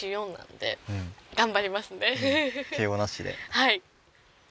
はい。